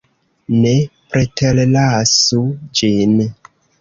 Ne preterlasu ĝin.